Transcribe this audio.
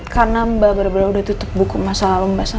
karena mbak baru baru udah tutup buku masalah lo sama mas nino